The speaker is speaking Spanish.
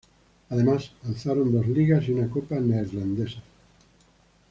Además alzaron dos ligas y una copa neerlandesas.